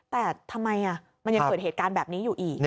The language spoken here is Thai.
แต่ทำไมมันยังเกิดเหตุการณ์แบบนี้อยู่อีก